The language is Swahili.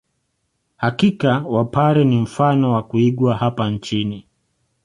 Hakika wapare ni mfano wa kuigwa hapa nchini